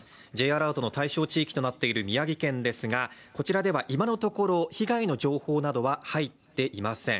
Ｊアラートの対象地域となっている宮城県ですがこちらでは今のところ被害の情報などは入っていません。